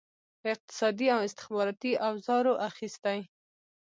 په اقتصادي او استخباراتي اوزارو اخیستي.